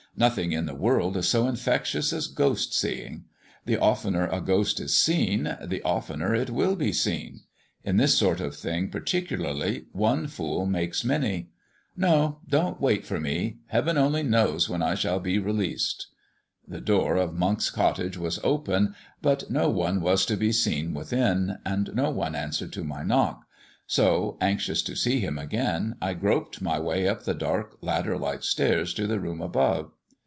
Nothing in the world is so infectious as ghost seeing. The oftener a ghost is seen, the oftener it will be seen. In this sort of thing particularly, one fool makes many. No, don't wait for me. Heaven only knows when I shall be released." The door of Monk's cottage was open, but no one was to be seen within, and no one answered to my knock, so, anxious to see him again, I groped my way up the dark ladder like stairs to the room above.